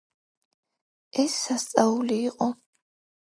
ეს სასწაული იყო!